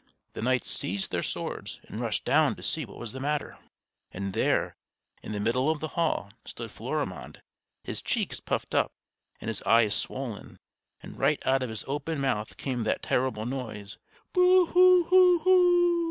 The knights seized their swords and rushed down to see what was the matter; and there, in the middle of the hall, stood Florimond, his cheeks puffed up and his eyes swollen, and right out of his open mouth came that terrible noise: "Boo hoo hoo hoo!"